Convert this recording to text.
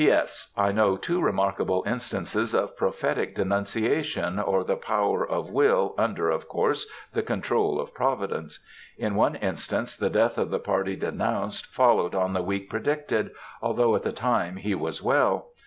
A. "P.S. I know two remarkable instances of prophetic denunciation or the power of will, under, of course, the control of Providence. In one instance, the death of the party denounced, followed on the week predicted, although at the time he was well.